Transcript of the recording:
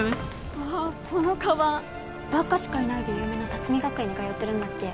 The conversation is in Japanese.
あこのカバンバカしかいないで有名な龍海学園に通ってるんだっけ？